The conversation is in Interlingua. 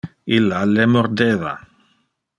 Illa le mordeva.